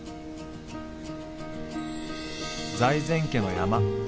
財前家の山。